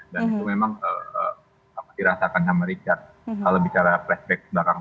dan itu memang dirasakan sama richard kalau bicara flashback kebelakangan